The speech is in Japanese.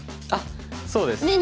あっそうです。